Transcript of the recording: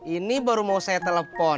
ini baru mau saya telepon